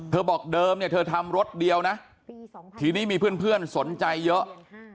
บอกเดิมเนี่ยเธอทำรถเดียวนะทีนี้มีเพื่อนสนใจเยอะ